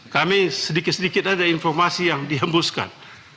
kami sedikit sedikit aja informasi yang dihembuskan